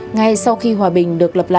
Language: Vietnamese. ngay sau khi hòa bình được phát triển